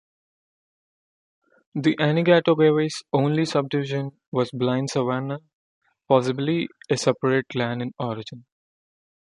The Anigatogewi's only subdivision was Blind Savannah, possibly a separate clan in origin.